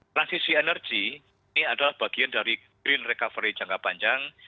transisi energi ini adalah bagian dari green recovery jangka panjang